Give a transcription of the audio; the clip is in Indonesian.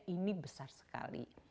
ini besar sekali